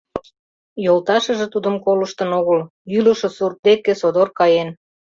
Йолташыже тудым колыштын огыл, йӱлышӧ сурт деке содор каен.